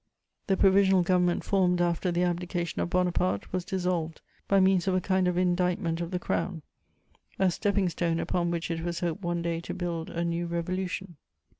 The Provisional Government formed after the abdication of Bonaparte was dissolved by means of a kind of indictment of the Crown: a stepping stone upon which it was hoped one day to build a new revolution.